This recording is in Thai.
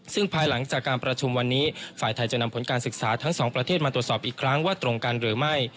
ซึ่งภายหลังจากการประชุมวันนี้ฝ่ายไทยจะนำผลการศึกษาทั้งสองประเทศมาตรวจสอบอีกครั้งว่าตรงกันหรือไม่